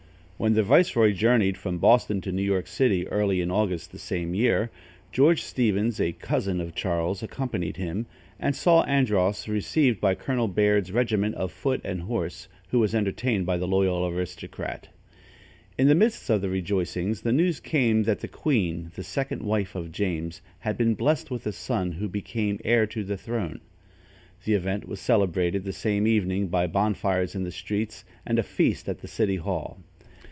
When the viceroy journeyed from Boston to New York City, early in August the same year, George Stevens, a cousin of Charles, accompanied him, and saw Andros received by Colonel Bayard's regiment of foot and horse, who was entertained by the loyal aristocrat. In the midst of the rejoicings, the news came that the queen, the second wife of James, had been blessed with a son, who became heir to the throne. The event was celebrated the same evening by bonfires in the streets and a feast at the city hall.